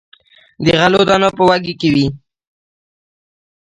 د غلو دانې په وږو کې وي.